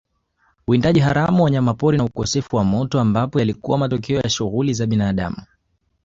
Uwindaji haramu wanyamapori na ukosefu wa moto ambapo yalikuwa matokeo ya shughuli za binadamu